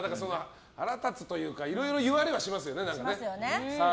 腹立つというかいろいろ言われはしますよね。